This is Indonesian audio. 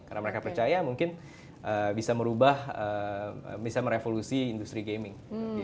karena mereka percaya mungkin bisa merubah bisa merevolusi industri gaming